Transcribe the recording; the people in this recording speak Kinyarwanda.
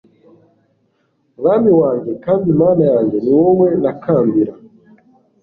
mwami wanjye kandi mana yanjye, ni wowe ntakambira